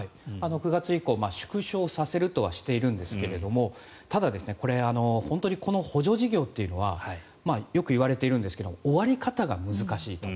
９月以降縮小させるとはしているんですがただ、本当に補助事業というのはよくいわれているんですが終わり方が難しいと。